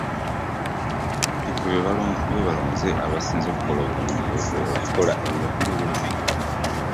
Okimanyi nti ffe bebalonze nga abasinze okukola ennyo ku mulimu.